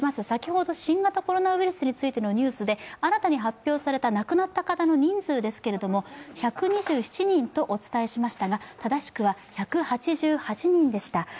先ほど新型コロナウイルスについてのニュースで新たに発表された亡くなった方の人数ですけれども、１２７人とお伝えしましたが、正しくは１８８人でした。